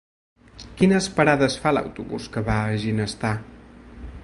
Quines parades fa l'autobús que va a Ginestar?